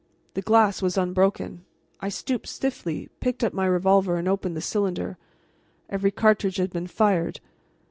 The glass was unbroken. I stooped stiffly, picked up my revolver and opened the cylinder. Every cartridge had been fired.